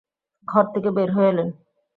ঘর থেকে বের হয়ে এলেন।